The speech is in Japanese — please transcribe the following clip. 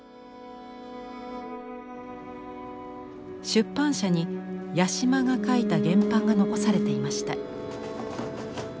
出版社に八島が描いた原版が残されていました。